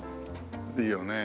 いいよね。